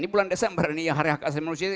ini bulan desember ini hari hak asli manusia